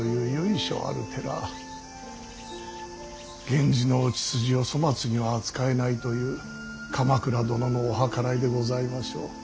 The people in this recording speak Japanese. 源氏のお血筋を粗末には扱えないという鎌倉殿のお計らいでございましょう。